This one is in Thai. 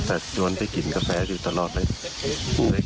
แต่ชวนไปกินกาแฟอยู่ตลอดเลย